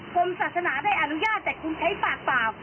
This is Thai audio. กรมศาสนาได้อนุญาตแต่คุณใช้ปากเปล่า